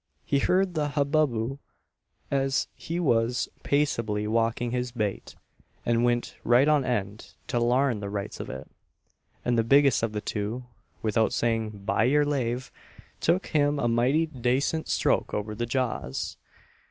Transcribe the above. He heard the hubbuboo as he was paceably walking his bate, and went, right on end, to larn the rights of it; and the biggest of the two without saying "by yer lave," took him a mighty dacent stroke over the jaws.